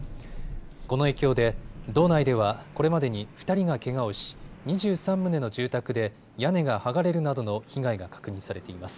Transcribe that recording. この影響で道内ではこれまでに２人がけがをし２３棟の住宅で屋根が剥がれるなどの被害が確認されています。